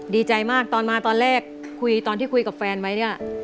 ดีใจมากตอนมาตอนแรกคุยตอนที่คุยกับแฟนไว้เนี่ย